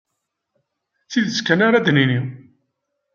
D tidet kan ara d-nini.